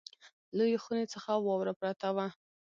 لویې خونې څخه واوره پرته وه.